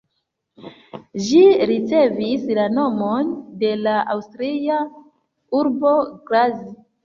Ĝi ricevis la nomon de la aŭstria urbo Graz.